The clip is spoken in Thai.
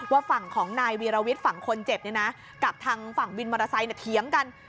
ว่าฝั่งของนายวีรวิทย์ฝั่งคนเจ็บเนี่ยนะกับทางฝั่งวินมอเตอร์ไซค์เถียงกัน